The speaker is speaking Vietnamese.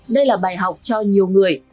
đây là bài học cho nhiều người